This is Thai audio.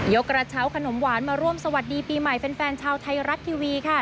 กระเช้าขนมหวานมาร่วมสวัสดีปีใหม่แฟนชาวไทยรัฐทีวีค่ะ